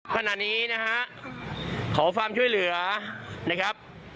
ขนาดนี้นะครับขอความช่วยเหลือนะครับ